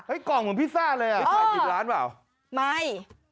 เฮ้ยกล่องเหมือนพิซซ่าเลยอ่ะไม่ฝ่ายกินร้านเปล่าอ๋อไม่